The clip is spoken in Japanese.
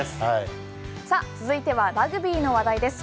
続いてはラグビーの話題です。